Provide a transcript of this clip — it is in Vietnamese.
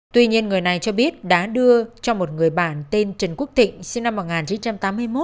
tuy nhiên người này cho biết đã đưa cho một người bạn tên trần quốc tịnh sinh năm một nghìn chín trăm tám mươi một